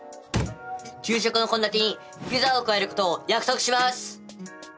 給食のこんだてにピザを加えることを約束します。